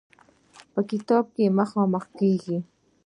په کتاب کې مخامخ کېږو.